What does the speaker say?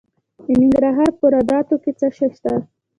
د ننګرهار په روداتو کې څه شی شته؟